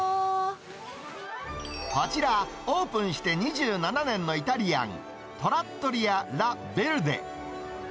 こちら、オープンして２７年のイタリアン、トラットリア・ラ・ベルデ。